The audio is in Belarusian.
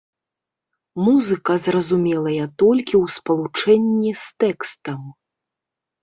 Музыка зразумелая толькі ў спалучэнні з тэкстам.